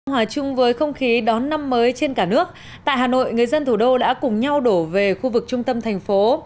hòa chung với không khí đón năm mới trên cả nước tại hà nội người dân thủ đô đã cùng nhau đổ về khu vực trung tâm thành phố